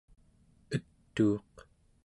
etuuq